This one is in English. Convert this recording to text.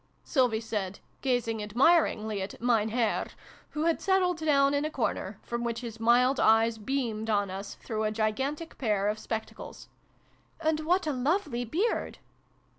" Sylvie said, gazing admiringly at ' Mein Herr,' who had settled down in a corner, from which his mild eyes beamed on us through a gigantic pair of spectacles. " And what a lovely beard